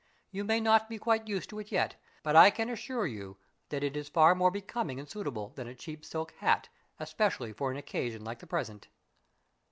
"You may not be quite used to it yet, but I can assure you that it is far more becoming and suitable than a cheap silk hat, especially for an occasion like the present."